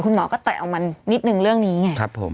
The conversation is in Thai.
คุณหมอก็แตะเอามันนิดหนึ่งเรื่องนี้ไงครับผม